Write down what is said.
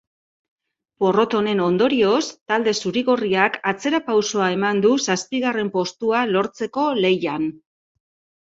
Porrot honen ondorioz, talde zuri-gorriak atzerapausoa eman du zazpigarren postua lortzeko lehian.